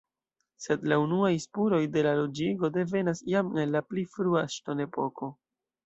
Sed la unuaj spuroj de la loĝigo devenas jam el la pli frua ŝtonepoko.